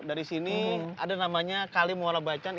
dari sini ada namanya kali muara blacan